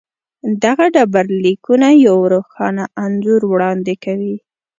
دغه ډبرلیکونه یو روښانه انځور وړاندې کوي.